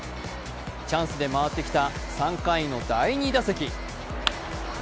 チャンスで回ってきた３回の第２打席。